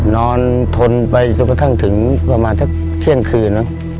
ทนไปจนกระทั่งถึงประมาณสักเที่ยงคืน